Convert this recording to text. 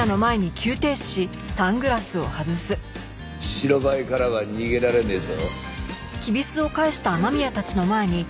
白バイからは逃げられねえぞ。